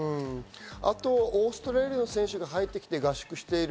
あとオーストラリアの選手が入ってきて合宿している。